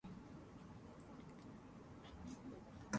Ben we call him, and so may you, if you like.